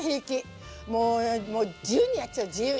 もうもう自由にやっちゃう自由に！